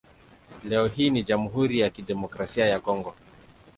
Leo hii ni Jamhuri ya Kidemokrasia ya Kongo.